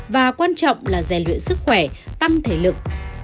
và quan trọng là rèn luyện sức khỏe tâm thể lực